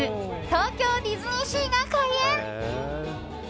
東京ディズニーシーが開園。